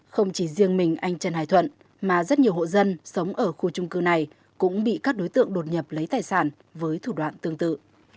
không chỉ riêng mình anh trần hải thuận mà rất nhiều hộ dân sống ở khu trung cư này cũng bị các đối tượng đột nhập lấy tài sản với thủ đoạn tương tự